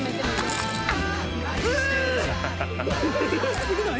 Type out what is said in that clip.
・すごない？